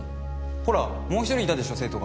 ほらもう一人いたでしょ生徒が。